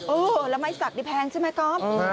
เออแล้วไม้สักนี่แพงใช่ไหมก๊อฟ